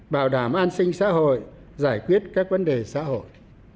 bảo đảm an sinh xã hội giải quyết các vấn đề xã hội